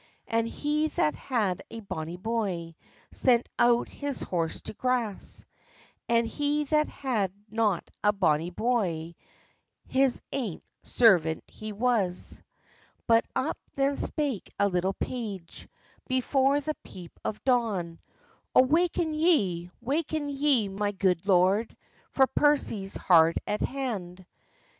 And he that had a bonnie boy, Sent out his horse to grass, And he that had not a bonnie boy, His ain servant he was. But up then spake a little page, Before the peep of dawn: "O waken ye, waken ye, my good lord, For Percy's hard at hand."